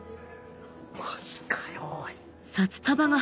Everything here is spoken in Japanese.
マジかよおい！